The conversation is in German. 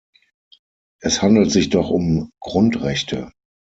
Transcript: Es handelt sich doch um Grundrechte.